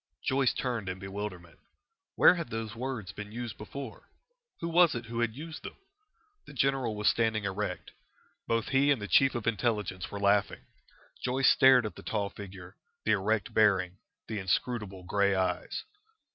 Joyce turned in bewilderment. Where had those words been used before? Who was it who had used them? The general was standing erect. Both he and the Chief of the Intelligence were laughing. Joyce stared at the tall figure, the erect bearing, the inscrutable grey eyes.